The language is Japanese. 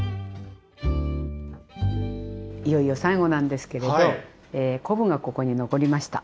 いよいよ最後なんですけれど昆布がここに残りました。